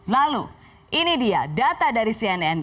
lalu ini dia data dari cnn